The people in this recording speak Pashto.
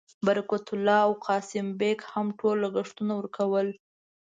برکت الله او قاسم بېګ هم ټول لګښتونه ورکول.